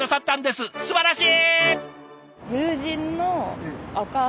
すばらしい！